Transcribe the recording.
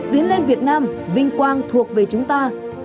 tiến lên việt nam vinh quang thuộc về chúng ta